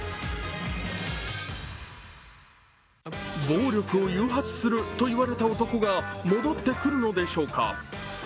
暴力を誘発するといわれた男が戻ってくるのでしょうか。